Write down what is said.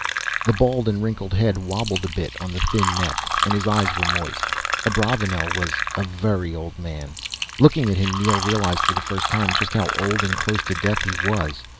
The bald and wrinkled head wobbled a bit on the thin neck, and his eyes were moist. Abravanel was a very old man. Looking at him, Neel realized for the first time just how old and close to death he was.